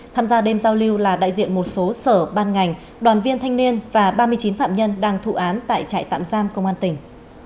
tham gia đêm giao lưu là đại diện một số sở ban ngành đoàn viên thanh niên và ba mươi chín phạm nhân đang thụ án tại trại tạm giam công an tỉnh